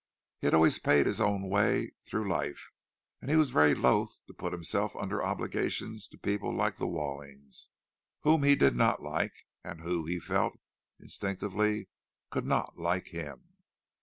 He had always paid his own way through life, and he was very loath to put himself under obligations to people like the Wallings, whom he did not like, and who, he felt instinctively, could not like him.